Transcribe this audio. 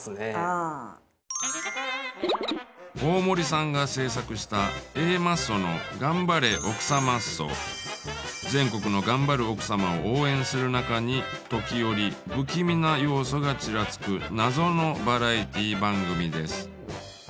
大森さんが制作した全国の頑張る奥様を応援する中に時折不気味な要素がちらつく謎のバラエティ番組です。